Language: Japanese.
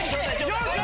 よし！